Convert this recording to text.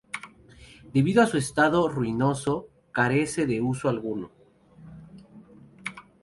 Debido a su estado ruinoso, carece de uso alguno.